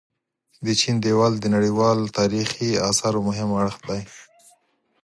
د چين ديوال د نړيوال تاريخي اثارو مهم اړخ دي.